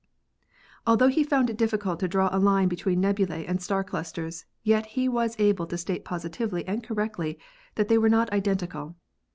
Altho he found it difficult to draw a line between nebulae and star clusters, yet he was able to state positively and correctly that they were not identical.